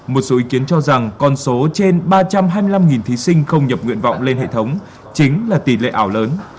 một số ý kiến cho rằng con số trên ba trăm hai mươi năm thí sinh không nhập nguyện vọng lên hệ thống chính là tỷ lệ ảo lớn